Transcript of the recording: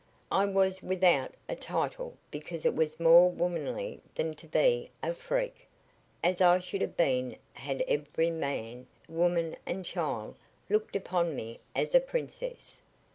"I was without a title because it was more womanly than to be a 'freak,' as I should have been had every man, woman and child looked upon me as a princess.